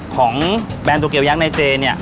ของแบรนด์ตัวเกียวยังในเจนี่